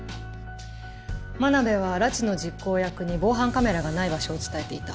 真鍋は拉致の実行役に防犯カメラがない場所を伝えていた。